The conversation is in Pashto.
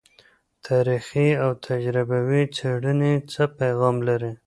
تاریخي او تجربوي څیړنې څه پیغام لري؟